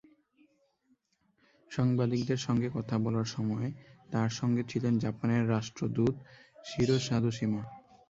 সংবাদিকদের সঙ্গে কথা বলার সময় তাঁর সঙ্গে ছিলেন জাপানের রাষ্ট্রদূত শিরো সাধোশিমা।